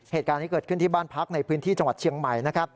เหตุการณ์นี้เกิดขึ้นที่บ้านพักในพื้นที่จังหวัดเชียงใหม่นะครับ